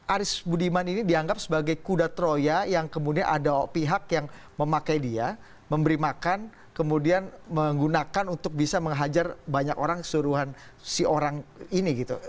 aris budiman ini dianggap sebagai kuda troya yang kemudian ada pihak yang memakai dia memberi makan kemudian menggunakan untuk bisa menghajar banyak orang keseluruhan si orang ini gitu